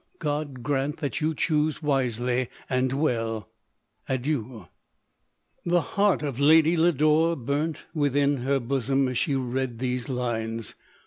God grant that you choose wisely and well ! Adieu." The heart of Lady Lodore burnt within her bosom as she read these lines.